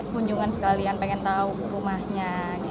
kunjungan sekalian pengen tahu rumahnya